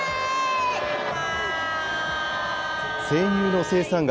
生乳の生産額